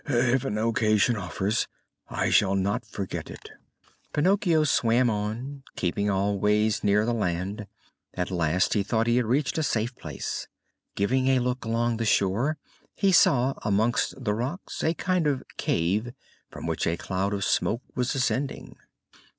If an occasion offers I shall not forget it." Pinocchio swam on, keeping always near the land. At last he thought that he had reached a safe place. Giving a look along the shore, he saw amongst the rocks a kind of cave from which a cloud of smoke was ascending.